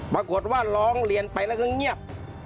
ปรากฏว่าร้องเรียนไปแล้วก็เงียบ